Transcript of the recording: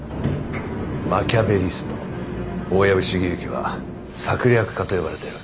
マキャベリスト大藪重之は策略家と呼ばれてる。